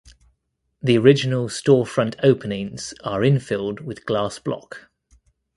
The original store front openings are infilled with glass block.